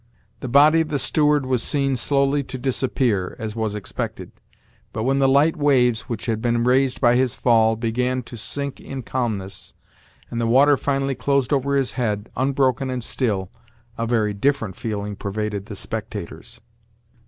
The body of the steward was seen slowly to disappear, as was expected; but when the light waves, which had been raised by his fall, began to sink in calmness, and the water finally closed over his head, unbroken and still, a very different feeling pervaded the spectators.